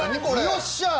よっしゃー！